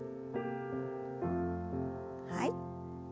はい。